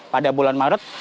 pada bulan maret